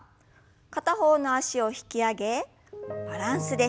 片方の脚を引き上げバランスです。